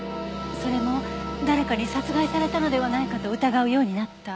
それも誰かに殺害されたのではないかと疑うようになった。